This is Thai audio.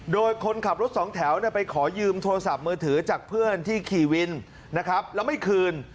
โดยคนขับรถสองแถวไปขอยืมโทรศัพท์มือถือจากเพื่อนที่ขี่วินนะครับแล้วไม่คืน